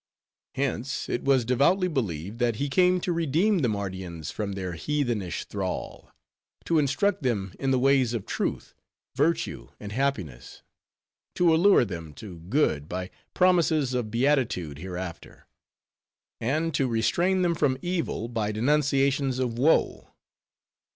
Hence, it was devoutly believed, that he came to redeem the Mardians from their heathenish thrall; to instruct them in the ways of truth, virtue, and happiness; to allure them to good by promises of beatitude hereafter; and to restrain them from evil by denunciations of woe.